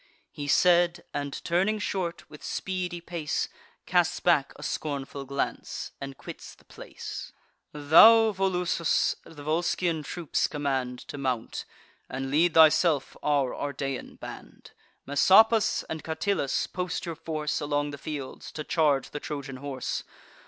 He said, and, turning short, with speedy pace, Casts back a scornful glance, and quits the place: "Thou, Volusus, the Volscian troops command To mount; and lead thyself our Ardean band. Messapus and Catillus, post your force Along the fields, to charge the Trojan horse.